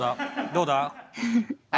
どうだ？